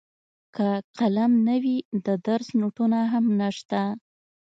که قلم نه وي د درس نوټونه هم نشته.